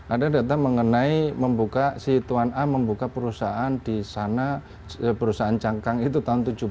ada data mengenai si tuan a membuka perusahaan di sana perusahaan cangkang itu tahun tujuh puluh tahun delapan puluh